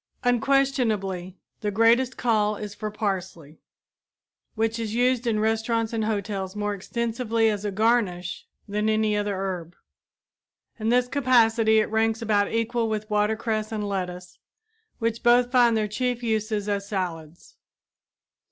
Unquestionably the greatest call is for parsley, which is used in restaurants and hotels more extensively as a garnish than any other herb. In this capacity it ranks about equal with watercress and lettuce, which both find their chief uses as salads.